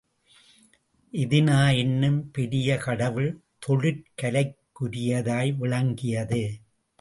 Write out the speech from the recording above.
எதினா என்னும் பெரிய கடவுள் தொழிற் கலைக்குரியதாய் விளங்கியது.